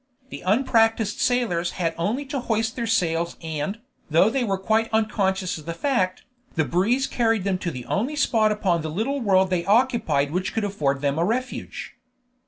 The unpracticed sailors had only to hoist their sails and, though they were quite unconscious of the fact, the breeze carried them to the only spot upon the little world they occupied which could afford them a refuge.